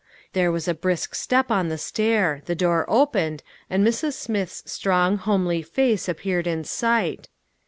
There was a brisk step on the stair ; the door opened, and Mrs. Smith's strong, homely face appeared in sight.